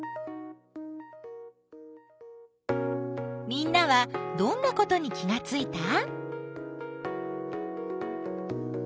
みんなはどんなことに気がついた？